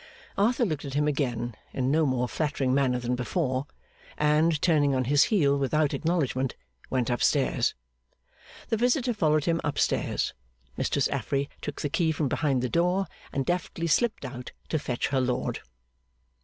Arthur looked at him again in no more flattering manner than before, and, turning on his heel without acknowledgment, went up stairs. The visitor followed him up stairs. Mistress Affery took the key from behind the door, and deftly slipped out to fetch her lord.